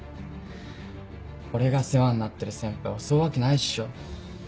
俺が世話になってる先輩襲うわけないっしょ。